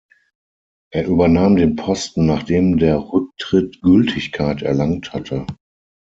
Er übernahm den Posten, nachdem der Rücktritt Gültigkeit erlangt hatte.